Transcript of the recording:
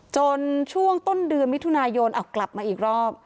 จนช่วงต้นเดือนมิถุนายนเอากลับมาอีกรอบ